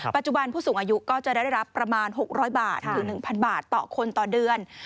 ปัจจุบันผู้สูงอายุก็จะได้รับประมาณ๖๐๐บาทหรือ๑๐๐๐บาทต่อคนต่อเดือน